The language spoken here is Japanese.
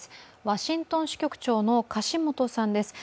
ワシントン支局長の樫元さんです。